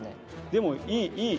でもいいいい。